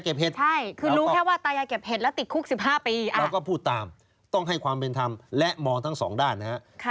เราก็พูดตามต้องให้ความเป็นธรรมและมองทั้งสองด้านนะครับ